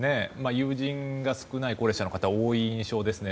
友人が少ない高齢者の方は多い印象ですね。